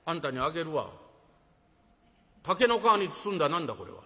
「竹の皮に包んだ何だこれは？」。